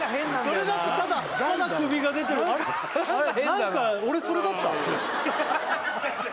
何か俺それだった？